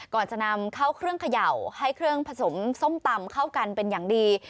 ก่อนจะนำเข้าเครื่องเขย่าให้เครื่องผสมส้มตำเข้ากันเป็นอย่างดี